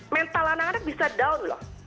mental anak anak bisa down loh